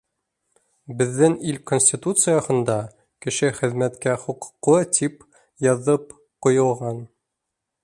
Беҙҙең ил Конституцияһында, кеше хеҙмәткә хоҡуҡлы, тип яҙып ҡуйылған.